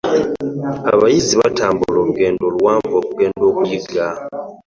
Abayizzi batambula olugendo luwanvu okugenda okuyigga.